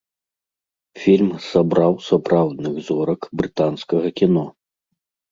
Фільм сабраў сапраўдных зорак брытанскага кіно.